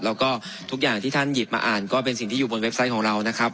แล้วก็ทุกอย่างที่ท่านหยิบมาอ่านก็เป็นสิ่งที่อยู่บนเว็บไซต์ของเรานะครับ